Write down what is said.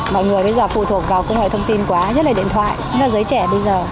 mọi người bây giờ phụ thuộc vào công nghệ thông tin quá nhất là điện thoại nhất là giới trẻ bây giờ